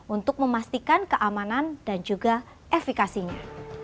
untuk memastikan keamanan dan juga efekasinya